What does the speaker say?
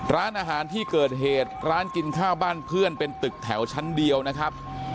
ร้านอาหารที่เกิดเหตุร้านกินข้าวบ้านเพื่อนเป็นตึกแถวชั้นเดียวนะครับ